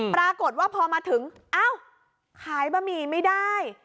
ปรากฏว่าพอมาถึงหมี่เหลือหายไม่ได้